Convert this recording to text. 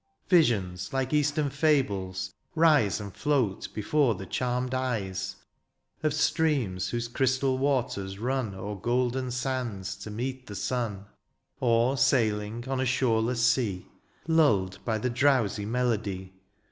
Visions, like eastern fables, rise And float before the charmed eyes — Of streams whose crystal waters run O^er golden sands to meet the sun ; Or, sailing on a shoreless sea. Lulled by the drowsy melody.